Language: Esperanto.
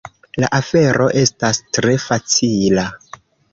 La afero estas tre facila.